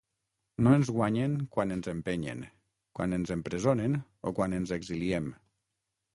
No ens guanyen quan ens empenyen, quan ens empresonen o quan ens exiliem.